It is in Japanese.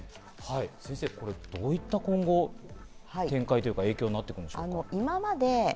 今後どういった展開というか、影響になっていくんでしょうか、先生？